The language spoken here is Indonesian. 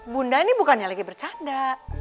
bunda ini bukan yang lagi bercanda